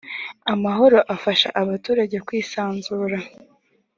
amahoro afasha abaturage kwisanzura.